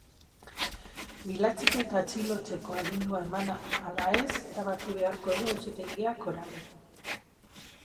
Bilatzeko eta atxilotzeko agindua eman ala ez erabaki beharko du auzitegiak orain.